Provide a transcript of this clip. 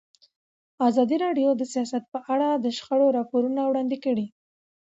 ازادي راډیو د سیاست په اړه د شخړو راپورونه وړاندې کړي.